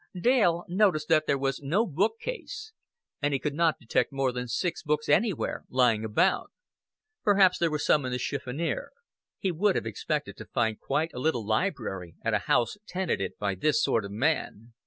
Dale noticed that there was no bookcase, and he could not detect more than six books anywhere lying about. Perhaps there were some in the chiffonier. He would have expected to find quite a little library at a house tenanted by this sort of man.